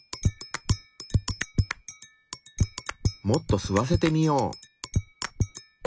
もっと吸わせてみよう。